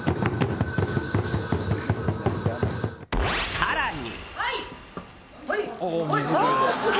更に。